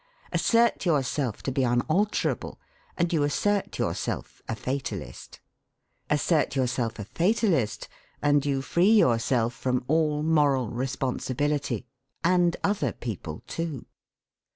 Assert yourself to be unalterable, and you assert yourself a fatalist. Assert yourself a fatalist, and you free yourself from all moral responsibility and other people, too.